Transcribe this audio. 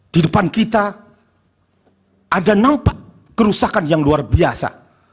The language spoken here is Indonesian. di depan kita ada nampak kerusakan yang luar biasa